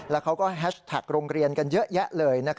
แล้วเขาก็แฮชแท็กโรงเรียนกันเยอะแยะเลย